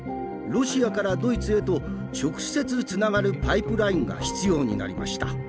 ロシアからドイツへと直接つながるパイプラインが必要になりました。